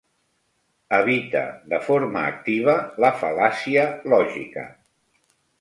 Evita de forma activa la fal·làcia lògica.